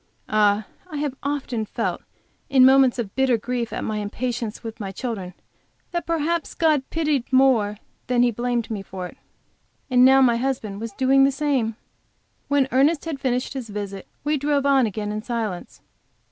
Ah, I have often felt in moments of bitter grief at my impatience with my children, that perhaps God pitied more than He blamed me for it! And now my dear husband was doing the same! When Ernest had finished his visit we drove on again in silence.